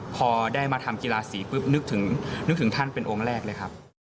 พอได้มาทำกีฬาสีปุ๊บนึกถึงท่านเป็นองค์แรกเลยครับ